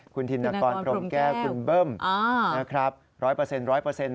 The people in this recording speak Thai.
คุณธินกรพรมแก้วคุณเบิ้มนะครับร้อยเปอร์เซ็นร้อยเปอร์เซ็นต